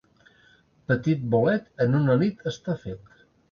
Petit bolet, en una nit està fet.